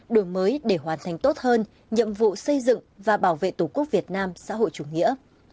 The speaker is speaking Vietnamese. đổi mới để hoàn thành tốt hơn nhiệm vụ xây dựng và bảo vệ tổ quốc việt nam xã hội chủ nghĩa